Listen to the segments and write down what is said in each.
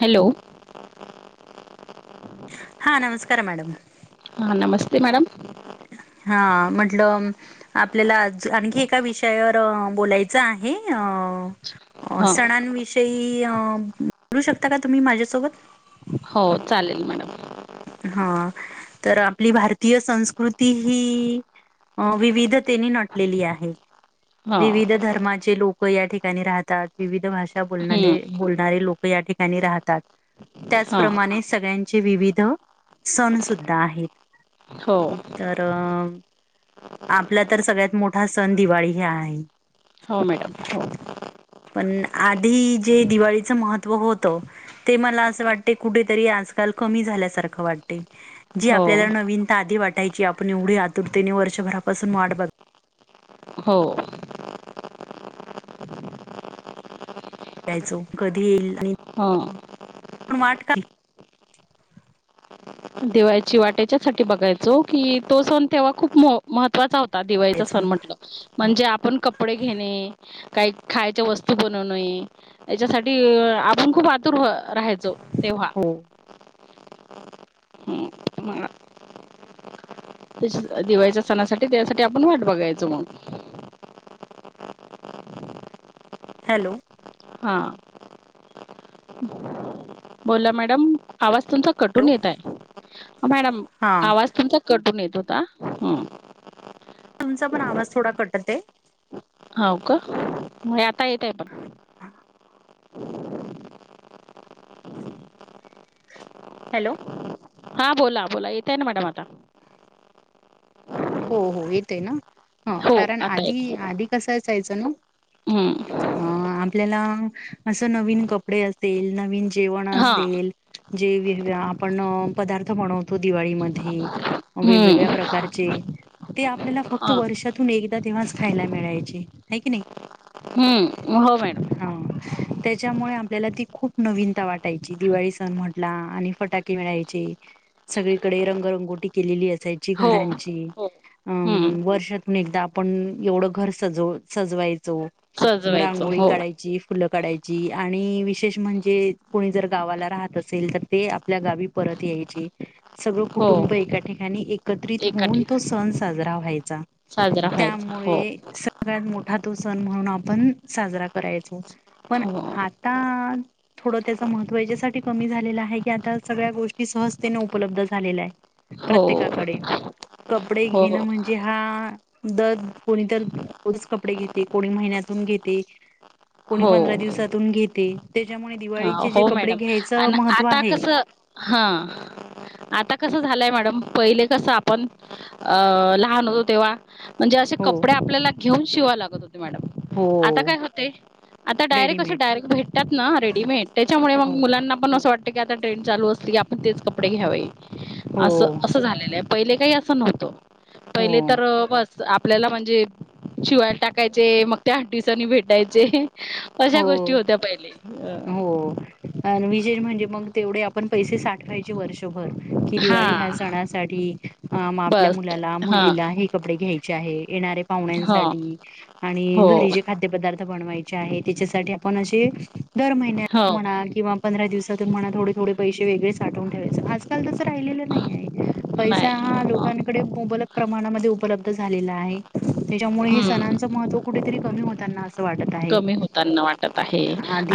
Hello. हा नमस्कार madam. हा नमस्ते मॅडम. हा म्हटलं आपल्याला आज आणखी एका विषयावर अ बोलायचं आहे हो हां सणांविषयी बोलू शकता का तुम्ही माझ्यासोबत हो चालेल मॅडम हा तर आपली भारतीय संस्कृती ही अं विविधतेने नटलेली आहे हां विविध धर्माचे लोक या ठिकाणी राहतात विविध भाषा बोलणारे हम्म बोलणारे लोक ठिकाणी रातात त्याच हां प्रमाणे सगळ्या चे विविध सण सुद्धा आहेत हो तर अ आपला तर सगळ्यात मोठा सण दिवाळी ह्या आहे हो मॅडम हो पण आधी जे दिवाळीचं महत्व होतं ते मला असं वाटते कुठेतरी आजकाल कमी झाल्यासारखं वाटते जी हो आपल्याला नवीनता आधी वाटायची आपण एवढी आतुरतेने व च्याभरापासून वाट बघली हो यचो कधी येईल हा पण वाट कर दिवाळी ची वाटेच्या साठी बघायचो कि तो सण तेव्हा खूप महत्त्वाचा होता आता दिवाळीचा बघायचो सण म्हंटलं म्हणजे आपण कपडे घेणे काही खायच्या वस्तू बनवण त्याच्यासाठी आपण खूप आतुर राहायचो तेव्हा हो हम म त्याच्या दिवाळीच्या सणासाठी त्यासाठी आपण वाट बघायचो मग हॅलो हा बोला मॅडम आवस् तुमचा कट हून हॅलो येत आहे मॅडम हा आवाज तुमचा कट हुन येत तता हम तुमचा पण आवाज थोडा कटते हो का म आता येतय पण हॅलो हा बोला बोला येतय ना मॅडम आता हो हो येत आहे ना ह हो कारण आता आधी येत आधी कसा असयचं हम्म ना आपल्याला असं नवीन कपडे असेल नवीन जेवण हा असेल जे आपण पदार्थ बनवतो दिवाळीमध्ये वेगवेगळ्या हम्म प्रकारचे ते आपल्याला फक्त हा वर्षातून एकदा तेव्हाच खायला मिळायची आहे की नाही हम्म हो मॅडम हा त्याच्यामुळे आपल्याला ती खूप नवीनता वाटायची दिवाळी सण म्हटला आणि फटाके मिळायचे सगळीकडे रंगरंगोटी केलेली असायची हो घरांची हो हम्म अम वर्षातून एकदा आपण एवढं घर सजव सजवायचो सजवायचं रांगोळी हो काढायची फुलं कायची आणि विशेष म्हणजे कोणी जर गावाला राहत असेल तर ते आपल्या गावी परत सगळ हो कुटुंब एका ठिकाणी एका एकत्रित ठिकाणी होऊन व्हाचा साजरा व्हायचा हो त्यामुळे सत मोठ ातो सण म्हणून आपण साजरा करायचो पण हो आता थोडं त्याच महत्त्व याच्यासाठी कमी झालेलं आहे की आता सगळ्या गोष्टी सहजतेने उपलब्ध झालेल्या आहे हो प्रत्येकाकडे कपडे हो घेणं म्हणजे हा दर कोणीत रोज कपडे घेते कोणी महिन्यातून घेते कोणी हो पंधरा दिवसातून घेते त्याच्यामुळे हा दिवाळीचे जे हो कपडे मॅडम घ्यायचं आणि महत्त्व आता आहे. कस हा आता कसं झालंय मॅडम पहिले कसं आपण अ लहान होतो तेव्हा म्हणजे असे हो कपडे आपल्याला घेऊन शिवाय लागत होते मॅडम हो आता काय होते आता डायरेक्ट असे रेडीमेड डायरेक्ट भेटतात ना रे त्याच्यामुळे म हो मुलांना पण अस वाटत की आता ट्रेड चालू असली की आपण तेच कपडे घ्यावे हो झा प का अस नत हो प आपल्याला म्हणजे शिवायला टाकायचे मग त्या आठ दिवसांनी भेटायचे अशा गोष्टी होत्या पहिले अ अ विजेज म्हणजे मग तेवढे आपण पैसे साठवायचे वर्षभर कि दिवाळी ह्या हा सणासाठी आपल्या बस मुलाला हा मुलीला हे कपडे घ्यायचे आहे येणारे ह पाहुण्यांसाठी आणि हो घरी जे खाद्यपदार्थ बनवायचे आहेत त्याच्यासाठी आपण असे दर महिन्या हो म्हणा किंवा पंधरा दिवसातून मणा थोडे थोडे पैसे वेगळे साठवून ठेवायचं आजकाल त तरं राहिलेलं नाही आहे पैसा नाही हा ह लोकांकडे मुबलक प्रमाणामध्ये उपलब्ध झालेला आहे त्याच्यामुळे हे हम्म सणांचं महत्त्व कुठेतरी कमी होतना असं वाटत आहे त्यांना वाटत आहे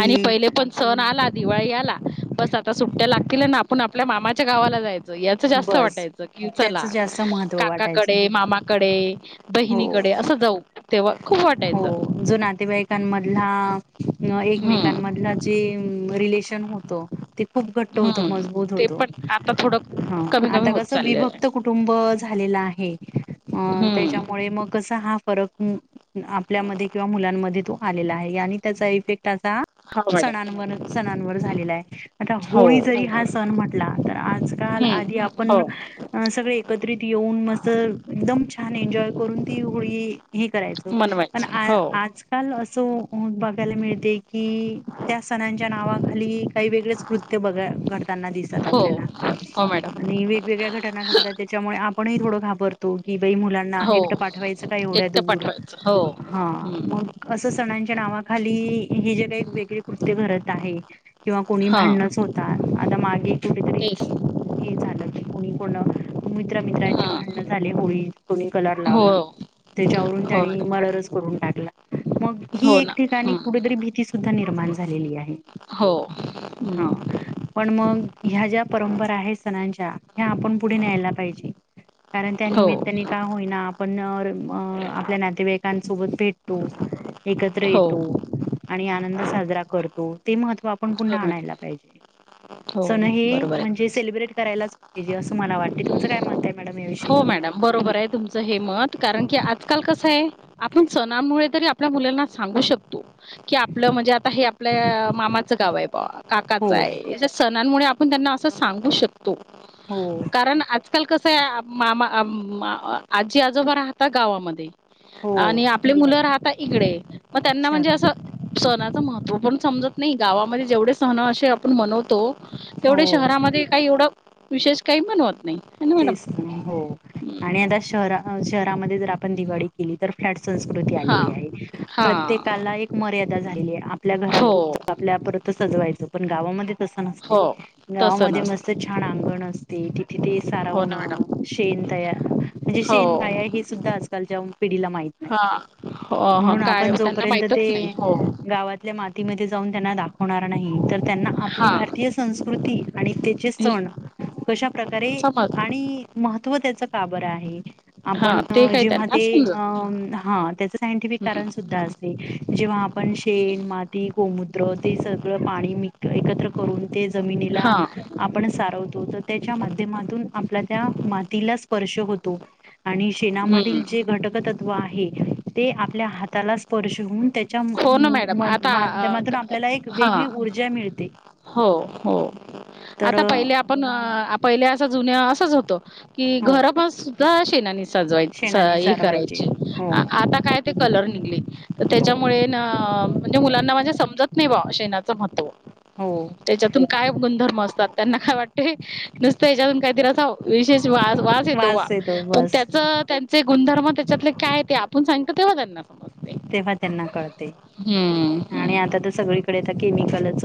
आणि पहिले पण सण आला दिवाळी आला बस आता सुट्ट्या लागतील ना आपण आपल्या मामाच्या गावाला जायचं याच जास्त बस वाटायचं कि त्याच चला जास्त महत्त्व वाटायचं काकाकडे मामाकडे हो बहिणीकडे असं जाऊ तेव्हा खूप वाटायचं एकेकध हम्म जशनत खूप घट्ट होतो हम्म मजबूत ते होतो पण आता थोडं ह कमी कमी आता होत कस चालले आहे विभक्त कुटुंब झालेलं आहे हम्म त्यामुळे मग कसा हा फरक आपल्यामध्ये किंवा मुलांमध्ये तो आलेला आहे आणि त्याचा इफेक्ट आा हो मॅडम सणांवर सणांवर झालेला आहे आता हो होळी जरी हा सण म्हटला तर आजकाल आधी हम्म हो आपण सगळे एकत्रित येऊ दन मर एकदम छान एजॉ करून ती होळी हे करायच पण मनवायचं हो आजकाल अस ऐयला मिळते की त्या सणांच्या नावाखाली काही वेगळेच कृत्य बघ करताना दिसत हो आपल्याला हो मॅडम आणि वेगवेगळ्या घटना घडतात त्याच्यामुळे आपणही थोडं घाबरतो की बा मुली हो एकटं पाठवायचं हो हा हम्म मग असं सणांच्या नावाखाली हे जे काही वेगळी कोष्ट घरत आहे किंवा कोणी भांडणच होतात आता मागे कुठेतरी तेस हे झालं कोणी कोण मित्र मित्राची हां भांडण झाले होळी दोनी कलर हो लावला त्याच्यावरून हो त्यानी मॅडम मर्डरच करून टाकला मग ही हो एक ना ठिकाणी हं कुठेतरी भीती सुद्धा निर्माण झालेली आहे हो हं हा पण मग ह्या ज्या परंपरा आहेत सणांच्या ह्या आपण पुढे न्यायला पाहिजे कारण त्या हो नििमित्ताने आपण आपल्या नातेवाईकांसोबत भेटतो एकत्र हो येतो आणि आनंद साजरा करतो ते महत् आपण हो पुन्हा मॅडम आणायला पाहिजे सण हो हे बरोबर आहे म्हणजे तुमचं सेलिब्रेट करायलाच तेजे असं मला वाटते तुमचं काय म्हणतय हो मॅडम बरोबर आहे तुम हे मत कारण की आजकाल कसं आहे आपण सणामुळे तरी आपल्या मुलांना सांगू शकतो की आपलं म्हणजे आता हे आपल्या मामाचं गाव आहे बा हो काकाचं आहे हो आ मामा आजी आजोबा राहता गावामध्ये हो आणि आपली मुलं राहत इकडे मग त्यांना म्हणजे असं शहरामध्ये सणाचं महत्त्व पण समजत नाही गावामध्ये जेवढे सहण असे आपण म्हनवतो तेवढे हो. शहरामध्ये काही एवढं विशेष काही म्हणवत नाही मॅडम तेच हो आणि आता श शहरामध्ये जर आपण दिवाळी केली तर फ्लट संस्कृती आलेली आहे हा प्रत्येकाला एक मर्यादा झालेली आहे आपल्या हो घरापरत आपल्या पर सजवायच पण गावामध्ये तसं नसते हो तसं गावामध्ये नसतं मत छान अंगण असते तथ हो सारवण ना मॅडम शेन तयार म्हणजे शेन हो गया हे सुद्धा आजकालच्या मा न हा हो ह म्हण आप काय त्यांना माहितच नाही जोपर्य हो गावातल्या माती जा त्यांना दाखवणार नाही त्यांना आपली हा भारतीय संस्कृती आणि त्याचे हे सण कशा प्र्रकारे समज आणि महत्त्व त्याच काबरं आहे आपण हा ते काही जेव ह त्यांना समजत नाही त्या सांटि कार हम्म सु अस तेव्हा आपण शेण हम्म माती कोमुद्र ते सगळं पाणी एकत्र करून ते जमिनीला हा आपण सारवतो तर त्याच्या माध्यमातून आप त्या मातीला स्पर्श होतो आणि शेणामधील हम्म जे घटक ते आपल्या हाताला स्पर्शन हो ना मॅडम आता अ, माध्यमातून त- आपल्याला एक हा वेगळी ऊर्जा मिळते हो हो तर आता पहिले आपण पहिले असं जुन्या क हो घराा शे सज शेणाने कराय सारवायचे हो आ काय ते कलर निघले तर त्याच्यामुळे म्हणजे मुलांना म्हणजे समजत नाही बा शेचं म हो त्याच्यातून काय गुणधर्म असत त्यांना काय वाटतय नुसत याच्यातून काहीतरी असवं विशेष वास येत येतो पण त्या बस त्यां गुणधर्म त्याच्यातले काय ते आपण सांगत तेव्हा त्यांना समज तेव्हा त्यांना कळते आणि आता हम्म तर सगळीकडे आ केमिकलच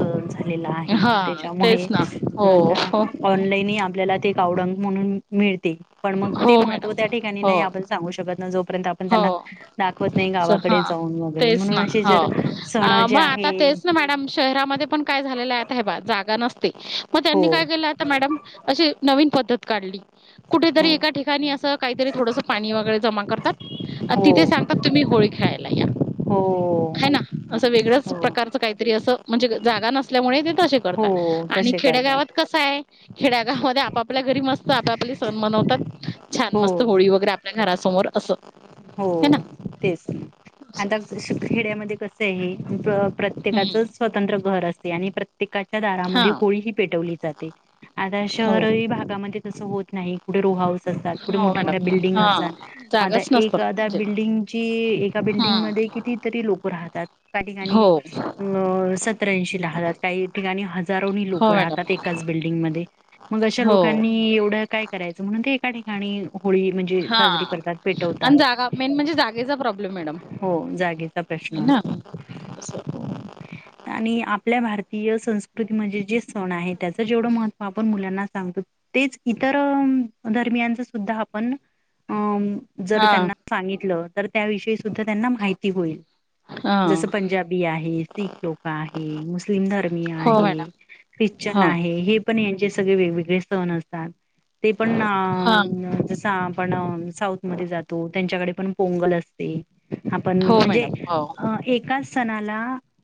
हा त्याच्यामुळे तेच ना हो आ हो ऑनलाईन आपल्याला म्ह मिळते पण मग हो ते मॅडम. महत्व त्या ठिकाणी हो नाही आपण सांगू शकतो आप त्यांना हो दाखवत नाही च हा गावाकडे जाऊन वगैरे तेच ना म्हणून असे हो जर सण जे मग आता आहे तेच ना मॅडम शहरामध्ये पण काय झालेलं आता हे ब जागा नसत मग हो त्यांनी काय केलं आता मॅडम अशी नवीन पद्धत काढली हो कुठेतरी एका ठिकाणी असं काहीतरी थोडस पाणी वगैरे जमा करतात अ हो तिथे सांगतात तुम्ही होळी खेळायला या हो ह ना असं वेगळ्याच हो प्रकारचं काही तरी असं म्हणजे जागा नसल्यामुळे ते तसे हो करतात आणि तसे करतात खेड्यागावात कस आहे खिड्यागाव मध्ये आपापल्या घरी मस्त आपापले सण मनवतात छान हो मस्त होळी वगैरे आपल्या घर समोर असं हो हे ना तेच आता खेड्यामध्ये कस आहे हम्म प्रत्येकाचं स्वतंत्र घर असते आणि प्र्य प्र्येकाच्या हा दारामध्ये होळी ह पेटवली जाते आता शहर हो भागामध्ये होत नाही कुठे रो हऊस असतात कुठे हो मोठ्या मोठ्या मॅडम बिल्डिंग हा असतात म जागाच नसतात एद्या म्हणजे बिल्डिंगची एका हम्म बिल्डिंगमध्येध्ये कितीतरी लोक राहतात त्या हो ठिकाणी अ सतऱ्याऐंशी लाहतात काही ठिकाणी हजारोनी लोक हो राहतात मॅडम एकाच बिल्डिंगमध्येध्ये मग अशा हो लोकांनी एवढं काय करायचं म्हणून ते एका ठिकाणी होळी म्हणजे हा साजरी करतात पेटवतात आणि जागा मेन म्हणजे जागेचा प्रॉब्लेम मॅडम हो जागेचा प्रश्न ना असतो. असं आणि आपल्या भारतीय संस्कृती म्हणजे जे सण आहे त्याचं जेवढं महत्त्व आपण मुलांना सांगतो तेच इतर दरम्यानच सुद्धा आपण अ जर हा त्यांना सांगितलं तर त्याविषयी सुद्धा त्यांना माहिती होईल. हा जसं पंजाबी आहे, सीख लोक आहे, मुस्लिम धर्मीय हो आहे, मॅडम ख्रिश्चन हा आ- आहे हे पण सगळे वेगवेगळे सण असतात. ते पण हा अं.. जसं आपण सा- मध्ये जातो त्यांच्याकडे पण पोंगल असते. आपण हो म्हणजे मॅडम हो एका- सणाला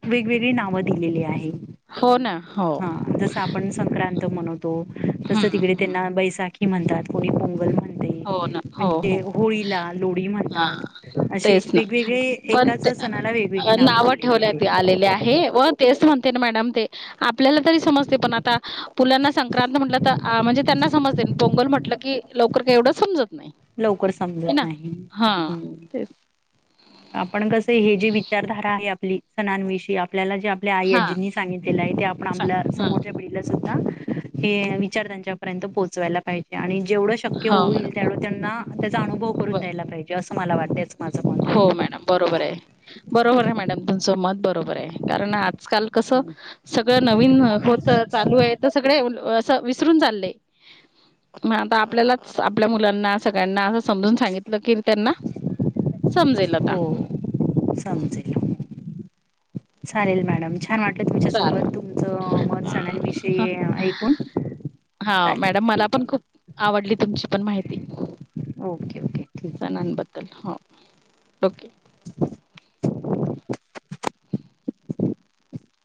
वेगवेगळी नावं दिलेली आहे. हो ना हो हा, जस आपण संक्रांत- म्हणतो तस हम्म तिकडे हम्म त्यांना बैसाखी म्हणतात कोणी पोंगल म्हणतात. हो, ना.... म्हणजे हो हो ते होळीला लोळी हा म्हणतात. असे तेच ना वेगवेगळे पण एकाच सणाला वेगवेगळी नावं नाव दिलेली आहेत. ठेवण्यात आलेले आहे व तेच म्हण तन मॅडम ते आपल्याला तरी समजते पण आता मुलांना संक्रांत म्हटलं तर म्हणजे त्यांना समजते. पोंगल म्हटलं की लवकर एवढं समज लवकर समजत नाही. हम् आपण कसं हे जी विचारधारा आहे आपली सणांविषयी- आपल्याला जे आपल्या आई हा आजींनी सांगितलेलं आहे ते आपण चा आपल्या हा समोरच्या पिढीला हे विचार त्यांच्या पर्यंत पोहोचवायला पाहिजे आणि जेवढं शक्य हो मॅडम होईल तेवढं त्यांना त्याचा अनुभव ब करून द्यायला पाहिजे असं मला वाटतच माझं मत आहे हो मॅडम बरोबर आहे. बरोबर आहे मॅडम, तुमचं मत बरोबर आहे! कारण आजकाल कसं सगळं नवीन होत चालू आहे तर सगळे अस विसरून चाललंय. मग आता आपल्यालाच आपल्या मुलांना सगळ्यांना अस समजून सांगित- कीर्तनना हो, समजेल. चालेल मॅडम, छान वाट- तुमच्या चाल सोबत तुमचं मत सणांविषयी ऐकून हा, चालेल मॅडम मला ठीक पण आहे खूप आवडली तुमची पण माहिती. ओके, ओके ठीक आहे. सणांबद्दल हो, ओके.